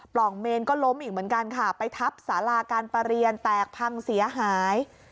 ร่องเมนก็ล้มอีกเหมือนกันค่ะไปทับสาราการประเรียนแตกพังเสียหาย